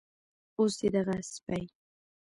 اوس دې دغه سپي